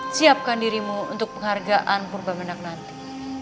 siapkan dirimu untuk penghargaan purba gendang nanti